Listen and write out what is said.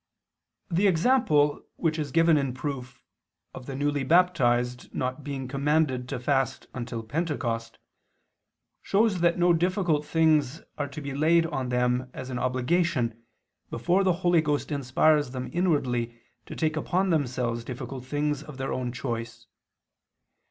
The example which is given in proof, of the newly baptized not being commanded to fast until Pentecost, shows that no difficult things are to be laid on them as an obligation before the Holy Ghost inspires them inwardly to take upon themselves difficult things of their own choice.